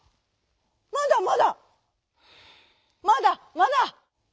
「まだまだ。まだまだ」。